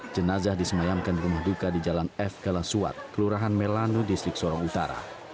jenazah disemayamkan di rumah duka di jalan f galangsuat kelurahan melano distrik sorong utara